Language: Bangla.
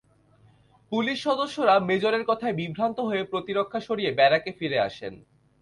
পুলিশ সদস্যরা মেজরের কথায় বিভ্রান্ত হয়ে প্রতিরক্ষা সরিয়ে ব্যারাকে ফিরে আসেন।